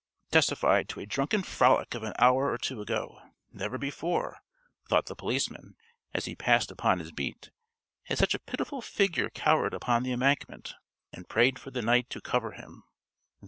_) testified to a drunken frolic of an hour or two ago. Never before, thought the policeman, as he passed upon his beat, had such a pitiful figure cowered upon the Embankment, and prayed for the night to cover him.